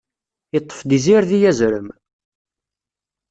Yeṭṭef-d izirdi azrem.